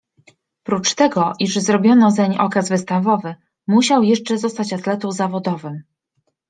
Prócz tego, iż zrobiono zeń okaz wystawowy, musiał jeszcze zostać atletą zawodowym.